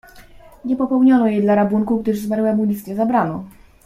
"Nie popełniono jej dla rabunku, gdyż zmarłemu nic nie zabrano."